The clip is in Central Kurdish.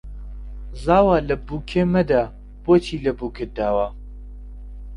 زاوا لە بووکێ مەدە بۆچی لە بووکت داوە